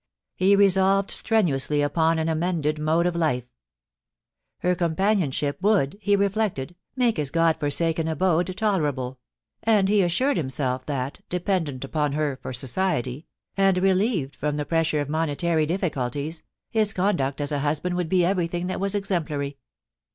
He resolved strenuously upon an amended mode of life ; her companionship would, he reflected, make this God forsaken abode tolerable, and he assured himself that, dependent upon her for society, and relieved from the pressure of monetary difficulties, his con duct as a husband would be everything that was exemplary.